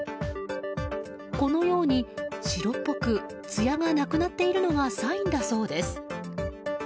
このように、白っぽくつやがなくなっているのがサインだそうです。